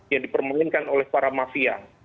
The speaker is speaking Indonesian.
yang dipermainkan oleh para mafia